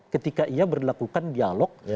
ketika ia berlakukan dialog